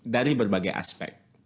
dari berbagai aspek